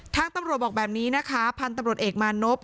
ทางตำรวจบอกแบบนี้นะคะพันธุ์ตำรวจเอกมานพ